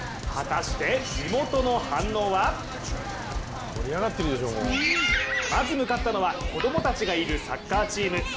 果たして地元の反応はまず向かったのは、子供たちがいるサッカーチーム。